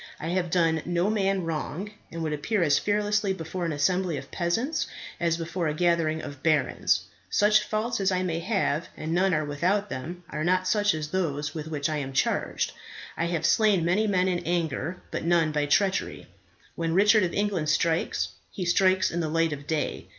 I have done no man wrong, and would appear as fearlessly before an assembly of peasants as before a gathering of barons. Such faults as I may have, and none are without them, are not such as those with which I am charged. I have slain many men in anger, but none by treachery. When Richard of England strikes, he strikes in the light of day.